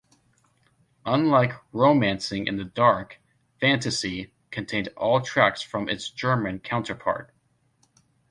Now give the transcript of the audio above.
Unlike "Romancing in the Dark", "Fantasy" contained all tracks from its German counterpart.